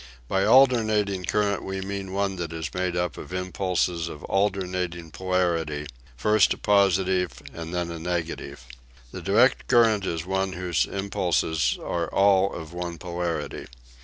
By alternating current we mean one that is made up of impulses of alternating polarity first a positive and then a negative. The direct current is one whose impulses are all of one polarity.